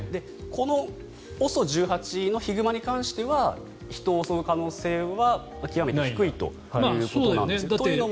このＯＳＯ１８のヒグマに関しては人を襲う可能性は、極めて低いということなんですが。